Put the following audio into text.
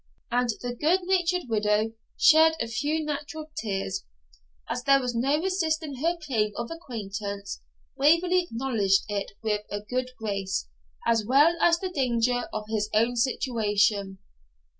And the good natured widow shed a few natural tears. As there was no resisting her claim of acquaintance, Waverley acknowledged it with a good grace, as well as the danger of his own situation.